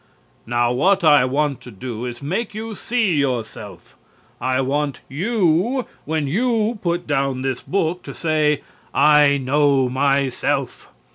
What I want to do is make you see yourself. I want you, when you put down this book, to say, "I know myself!"